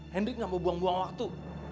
hendrik nggak mau buang buang waktu